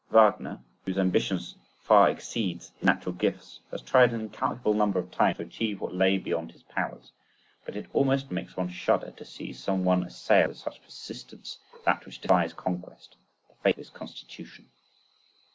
Wagner whose ambition far exceeds his natural gifts, has tried an incalculable number of times to achieve what lay beyond his powers—but it almost makes one shudder to see some one assail with such persistence that which defies conquest—the fate of his constitution.